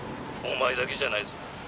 お前だけじゃないぞ。